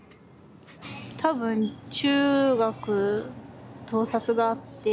多分中学盗撮があって。